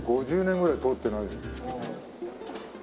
５０年ぐらい通ってないです。